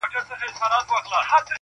قاسم یار که ستا په سونډو مستانه سوم,